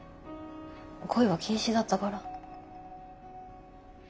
恋は禁止だったから。